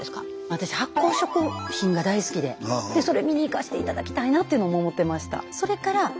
私発酵食品が大好きででそれ見に行かして頂きたいなっていうのを思ってました。